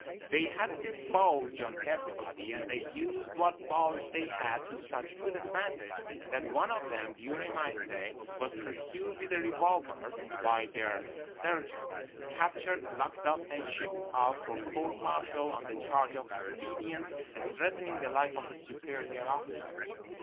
They had the bulge on everybody; and they used what bulge they had to such good advantage that one of them, during my stay, was pursued with a revolver by their sergeant, captured, locked up and shipped off for court martial on the charge of disobedience and threatening the life of a superior officer.